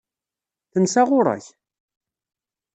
Tensa ɣur-k?